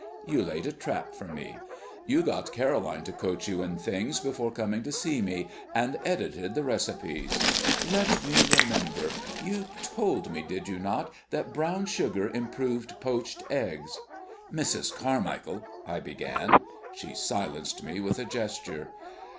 You laid a trap for me. You got Caroline to coach you in things before coming to see me, and edited the recipes! Let me remember. You told me, did you not, that brown sugar improved poached eggs?" "Mrs. Carmichael " I began. She silenced me with a gesture.